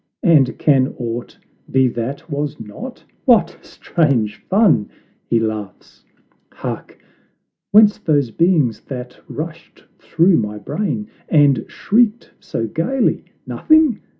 And can aught be that was not? What strange fun! Hark! whence those beings that rushed through my brain And shrieked so gaily? Nothing?